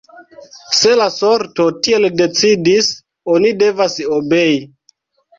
Se la sorto tiel decidis, oni devas obei!